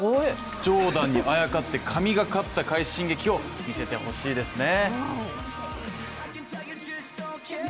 ジョーダンにあやかって神がかった快進撃を見せてほしいですね。